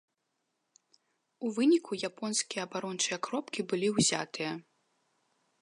У выніку японскія абарончыя кропкі былі ўзятыя.